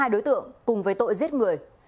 hai đối tượng cùng với tội giết người